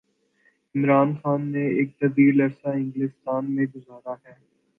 عمران خان نے ایک طویل عرصہ انگلستان میں گزارا ہے۔